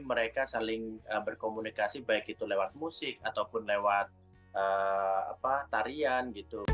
mereka berkomunikasi dengan musik atau tarian